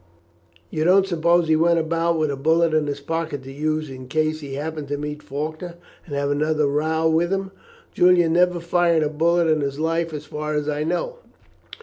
You don't suppose he went about with a bullet in his pocket to use in case he happened to meet Faulkner, and have another row with him. Julian never fired a bullet in his life, as far as I know.